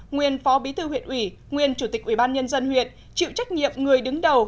nguyên phó bí thư huyện ủy nguyên chủ tịch ubnd huyện chịu trách nhiệm người đứng đầu